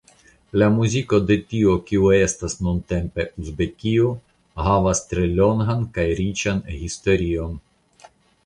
La muziko de tio kio estas nuntempe Uzbekio havas tre longan kaj riĉan historion.